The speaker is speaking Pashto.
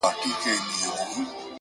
چي هغه تللې ده نو ته ولي خپه يې روحه ـ